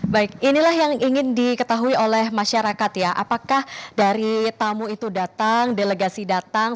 baik inilah yang ingin diketahui oleh masyarakat ya apakah dari tamu itu datang delegasi datang